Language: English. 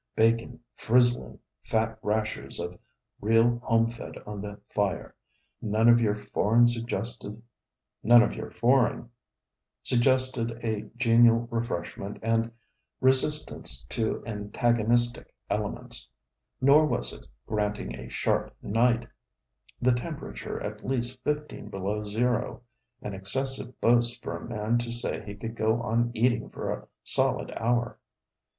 Bacon frizzling, fat rashers of real homefed on the fire none of your foreign suggested a genial refreshment and resistance to antagonistic elements. Nor was it, granting health, granting a sharp night the temperature at least fifteen below zero an excessive boast for a man to say he could go on eating for a solid hour.